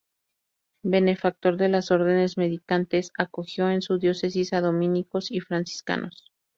Benefactor de las órdenes mendicantes, acogió en su diócesis a dominicos y franciscanos.